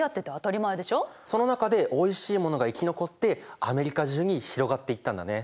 その中でおいしいものが生き残ってアメリカ中に広がっていったんだね。